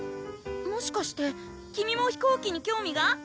もしかして君も飛行機に興味が？